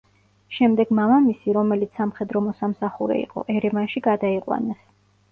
შემდეგ მამამისი, რომელიც სამხედრო მოსამსახურე იყო, ერევანში გადაიყვანეს.